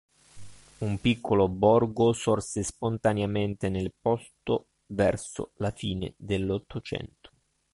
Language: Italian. Un piccolo borgo sorse spontaneamente nel posto verso la fine dell'Ottocento.